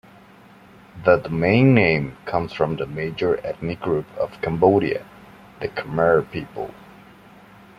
The domain name comes from the major ethnic group of Cambodia, the Khmer people.